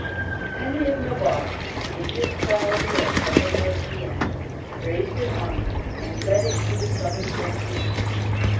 Henry of Navarre, in his quality of Governor of Guyenne, raised an army and led it to the southern frontier.